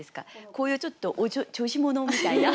こういうちょっとお調子者みたいな。